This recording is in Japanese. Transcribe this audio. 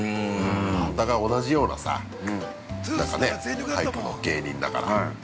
だから同じようなタイプの芸人だから。